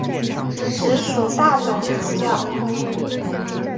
直属大总主教。